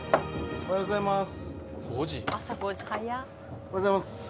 おはようございます。